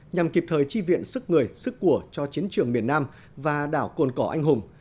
nhằm kịp thời chi viện sức người sức của cho chiến trường miền nam và đảo cồn cỏ anh hùng